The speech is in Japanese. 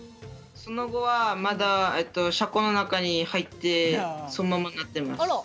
その後はまだ車庫の中に入ってそのままになってます。